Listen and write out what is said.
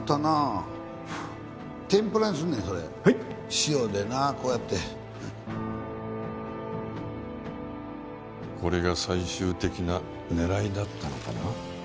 塩でなこうやってこれが最終的なねらいだったのかな？